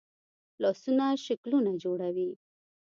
لاسونه شکلونه جوړوي